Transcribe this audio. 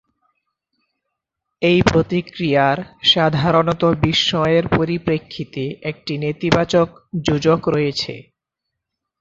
এই প্রতিক্রিয়ার সাধারণত বিস্ময়ের পরিপ্রেক্ষিতে একটি নেতিবাচক যোজক রয়েছে।